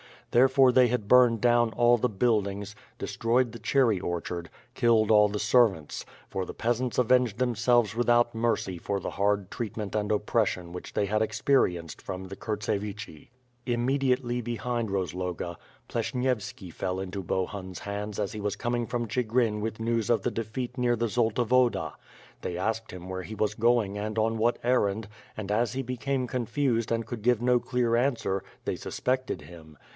Therefore they had burned down all the buildings, destroyed the cherry or chard, killed all the servants; for the peasants avenged them selves without mercy for the hard treatment and oppression which they had experienced from the Kurtsevichi. Imme diately behind Rozloga, Pleshnievski fell into Bohun's hands as he was coming from Chigrin with news of the defeat near the Zolta Woda. They asked him where he was going and on what errand, and as he became confused and could give no clear answer, they suspected him.